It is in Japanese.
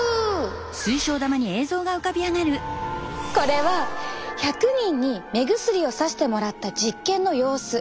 これは１００人に目薬をさしてもらった実験の様子。